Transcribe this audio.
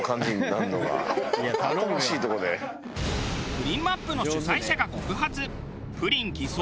『プリンマップ』の主宰者が告発。